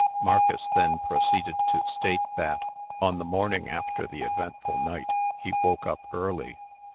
Marcus then proceeded to state that, on the morning after the eventful night, he woke up early.